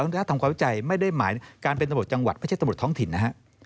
ถ้าทำความวิจัยไม่ได้หมายการเป็นตำรวจจังหวัดไม่ใช่ตำรวจท้องถิ่นนะฮะ